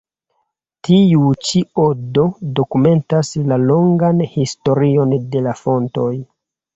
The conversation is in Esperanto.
Tiu ĉi odo dokumentas la longan historion de la fontoj.